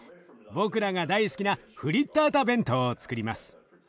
僕らが大好きなフリッタータ弁当をつくります。